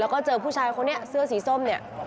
ก็เจอผู้ชายเขานี่เสื้อสีส้มเนี่ย